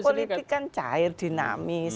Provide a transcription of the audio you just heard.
politik kan cair dinamis